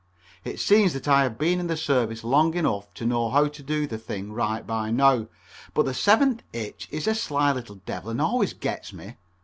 It seems that I have been in the service long enough to know how to do the thing right by now, but the seventh hitch is a sly little devil and always gets me.